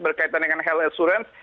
berkaitan dengan health assurance